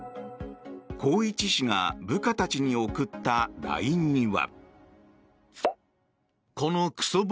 宏一氏が部下たちに送ったＬＩＮＥには。